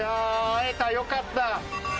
会えた、よかった。